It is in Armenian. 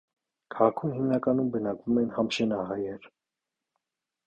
Քաղաքում հիմնականում բնակվում են համշենահայեր։